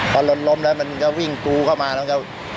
พอรถล้มแล้วมันก็วิ่งกรูเข้ามาแล้ว